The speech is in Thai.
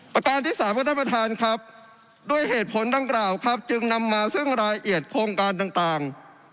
อากาศที่๓ประธานด้วยเหตุผลดังกล่าวจึงนำมาซึ่งรายเอียดโครงการต่าง